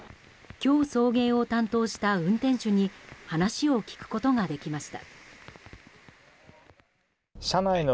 今日送迎を担当した運転手に話を聞くことができました。